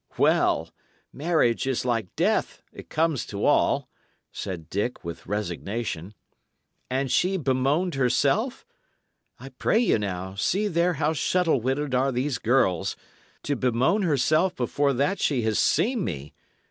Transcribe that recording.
"Well! marriage is like death, it comes to all," said Dick, with resignation. "And she bemoaned herself? I pray ye now, see there how shuttle witted are these girls: to bemoan herself before that she had seen me!